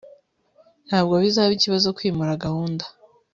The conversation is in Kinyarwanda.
ntabwo bizaba ikibazo kwimura gahunda